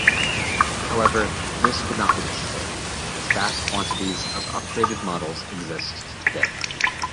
However, this would not be necessary, as vast quantities of upgraded models exist today.